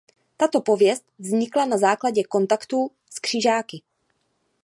Tato pověst vznikla na základě kontaktů s křižáky.